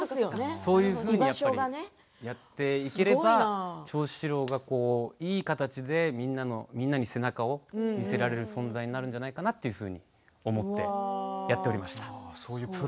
そうやってやっていければ長七郎がいい形でみんなに背中を見せられる存在になるんじゃないかなと思ってやっていました。